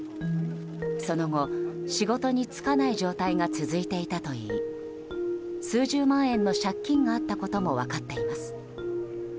その後、仕事に就かない状態が続いていたといい数十万円の借金があったことも分かっています。